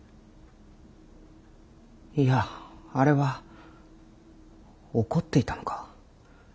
いやあれは怒っていたのか。